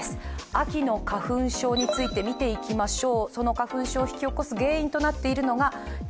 秋の花粉症について見ていきましょう。